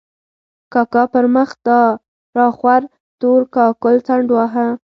کاکا پر مخ را خور تور کاکل څنډ واهه.